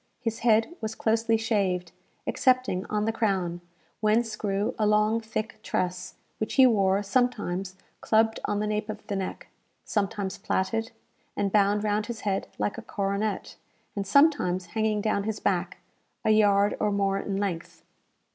His head was closely shaved, excepting on the crown, whence grew a long thick tress, which he wore sometimes clubbed on the nape of the neck; sometimes plaited, and bound round his head like a coronet; and sometimes hanging down his back, a yard or more in length.